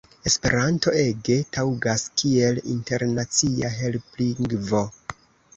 Esperanto ege taŭgas kiel internacia helplingvo.